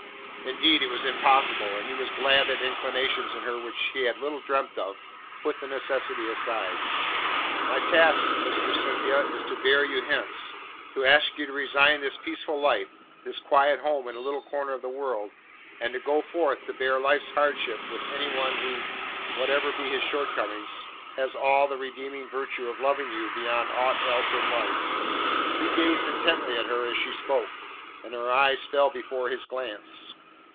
Indeed, it was impossible, and he was glad that inclinations in her which he had little dreamt of, put the necessity aside. "My task, Mistress Cynthia, is to bear you hence. To ask you to resign this peaceful life, this quiet home in a little corner of the world, and to go forth to bear life's hardships with one who, whatever be his shortcomings, has the all redeeming virtue of loving you beyond aught else in life." He gazed intently at her as he spoke, and her eyes fell before his glance.